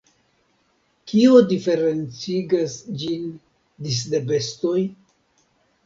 Kio diferencigas ĝin disde bestoj?